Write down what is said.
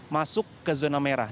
masuk ke zona merah